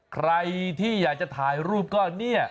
ใครที่อยากจะถ่ายรูปก็เนี่ย